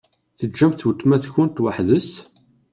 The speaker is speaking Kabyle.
Teǧǧamt weltma-tkent weḥd-s?